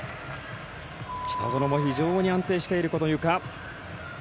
北園も非常に安定しているこのゆか。